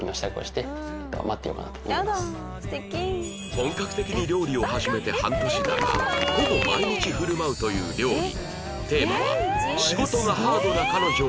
本格的に料理を始めて半年だがほぼ毎日振る舞うという料理